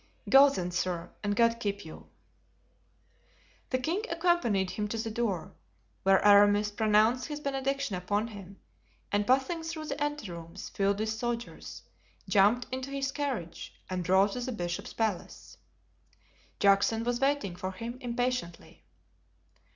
"Go, then, sir, and God keep you!" The king accompanied him to the door, where Aramis pronounced his benediction upon him, and passing through the ante rooms, filled with soldiers, jumped into his carriage and drove to the bishop's palace. Juxon was waiting for him impatiently.